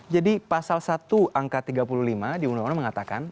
jadi pasal satu angka tiga puluh lima di undang undang mengatakan